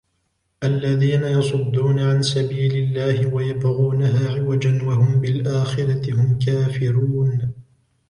الذين يصدون عن سبيل الله ويبغونها عوجا وهم بالآخرة هم كافرون